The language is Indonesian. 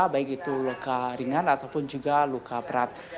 baik itu luka ringan ataupun juga luka berat